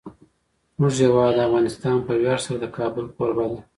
زموږ هیواد افغانستان په ویاړ سره د کابل کوربه دی.